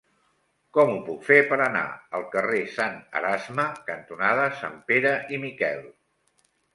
Com ho puc fer per anar al carrer Sant Erasme cantonada Sanpere i Miquel?